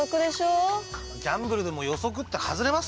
ギャンブルでも予測って外れますからね。